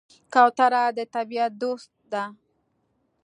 کوتره د طبیعت دوست ده.